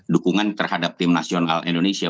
dukungan terhadap tim nasional indonesia